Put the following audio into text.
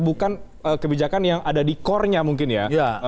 bukan kebijakan yang ada di core nya mungkin ya